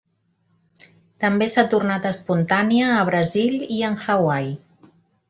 També s'ha tornat espontània a Brasil i en Hawaii.